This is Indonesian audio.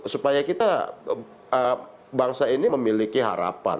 supaya kita bangsa ini memiliki harapan